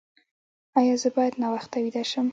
ایا زه باید ناوخته ویده شم؟